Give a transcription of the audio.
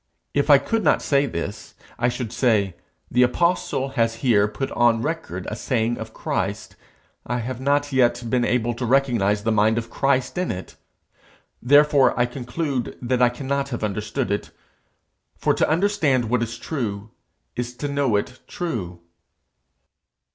If I could not say this, I should say, 'The apostle has here put on record a saying of Christ's; I have not yet been able to recognise the mind of Christ in it; therefore I conclude that I cannot have understood it, for to understand what is true is to know it true.'